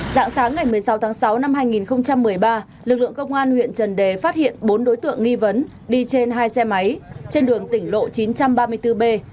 dạng sáng ngày một mươi sáu tháng sáu năm hai nghìn một mươi ba lực lượng công an huyện trần đề phát hiện bốn đối tượng nghi vấn đi trên hai xe máy trên đường tỉnh lộ chín trăm ba mươi bốn b